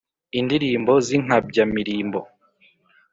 indirimbo z’inkabya-mirimbo